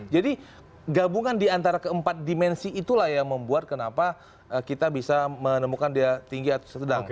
jadi gabungan diantara keempat dimensi itulah yang membuat kenapa kita bisa menemukan dia tinggi atau sedang